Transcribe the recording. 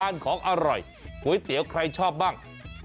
กล้านของอร่อยขุยเตี๋ยวใครชอบบ้าง